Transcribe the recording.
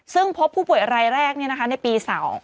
ซึ่งพบผู้ป่วยรายแรกในปี๒